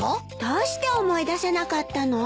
どうして思い出せなかったの？